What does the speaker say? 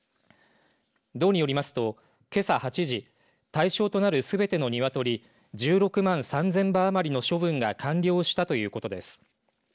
道によりますとけさ８時、対象となるすべての鶏１６万３０００羽余りの処分が完了したということです。